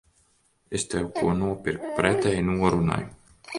Es tev ko nopirku pretēji norunai.